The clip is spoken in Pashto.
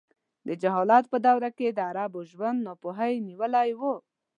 د جهالت په دوره کې د عربو ژوند ناپوهۍ نیولی و.